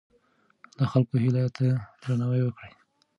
د خلکو هیلو ته درناوی وکړئ.